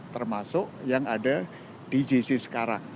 termasuk yang ada di gc sekarang